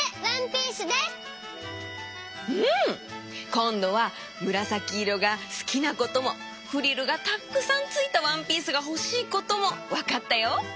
こんどはむらさきいろがすきなこともフリルがたっくさんついたワンピースがほしいこともわかったよ。